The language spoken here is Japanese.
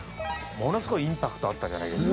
ものすごいインパクトあったじゃないですか。